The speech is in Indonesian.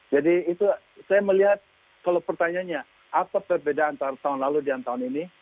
itu saya melihat kalau pertanyaannya apa perbedaan antara tahun lalu dan tahun ini